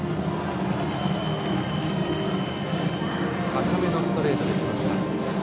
高めのストレートできました。